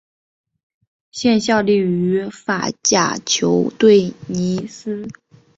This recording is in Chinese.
现效力于法甲球队尼斯。